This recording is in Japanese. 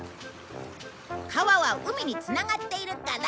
川は海につながっているから。